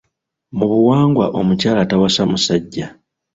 Mu buwangwa omukyala tawasa musajja.